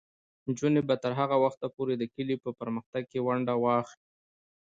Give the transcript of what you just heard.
نجونې به تر هغه وخته پورې د کلي په پرمختګ کې ونډه اخلي.